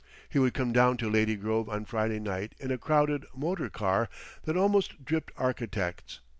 He would come down to Lady Grove on Friday night in a crowded motor car that almost dripped architects.